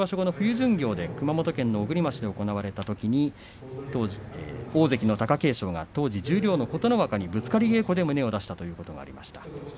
巡業で熊本県の小国町で行われたときに当時大関の貴景勝は当時十両の琴ノ若にぶつかり稽古で胸を出したことがありました。